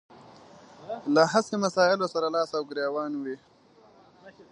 له هسې مسايلو سره لاس او ګرېوان وي.